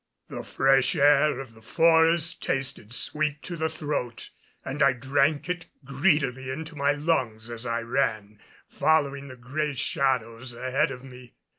The fresh air of the forest tasted sweet to the throat, and I drank it greedily into my lungs as I ran, following the gray shadows ahead of me.